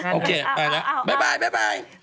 โอเคไปแล้วบ๊าย